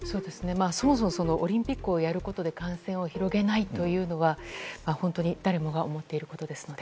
そもそもオリンピックをやることで感染を広げないというのは本当に誰もが思っていることですので。